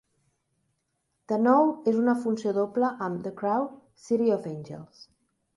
De nou, és una funció doble amb "The Crow: City of Angels".